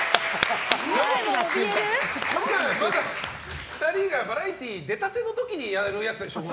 まだ２人がバラエティー出たてのころにやるやつでしょう。